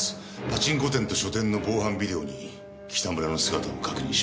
パチンコ店と書店の防犯ビデオに北村の姿を確認しました。